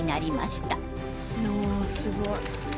おすごい。